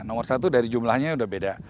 nomor satu dari jumlahnya udah beda